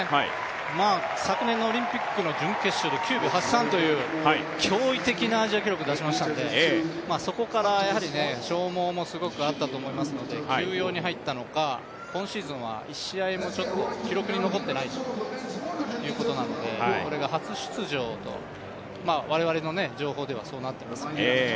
昨年のオリンピックの準決勝で９秒８３という驚異的なアジア記録を出しましたのでそこから消耗もすごくあったと思いますので休養に入ったのか、今シーズンは１試合も記録に残っていないということなのでこれが初出場という我々の情報ではそうなっています。